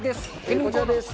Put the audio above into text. こちらです。